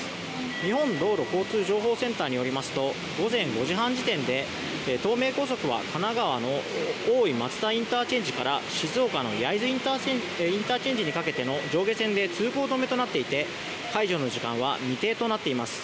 日本道路交通情報センターによりますと午前５時半時点で、東名高速は神奈川の大井増田ＩＣから静岡の焼津ＩＣにかけての上下線で通行止めとなっていて解除の時間は未定となっています。